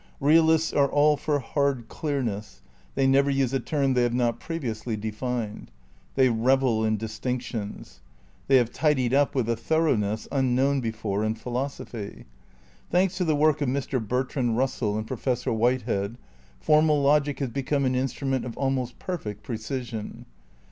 Eealists axe all for hard oleamess ; they never use a term they have not previ ously defined. They revel in distinctions. They have tidied up with a thoroughness unknown before in phi losophy. Thanks to the work of Mr, Bertrand Eussell and Professor Whitehead, formal logic has become an instrument of almost perfect precision.